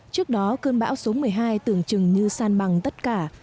trước đó cơn bão số một mươi hai tưởng chừng như san bằng tất cả